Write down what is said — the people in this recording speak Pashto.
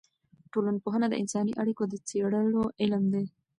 ټولنپوهنه د انساني اړیکو د څېړلو علم دی.